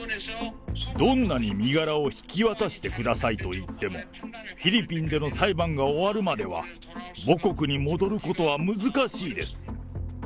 どんなに身柄を引き渡してくださいと言っても、フィリピンでの裁判が終わるまでは、母国に戻ることは難しいです。